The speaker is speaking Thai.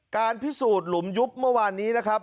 การพิสูจน์หลุมยุบเมื่อวานนี้นะครับ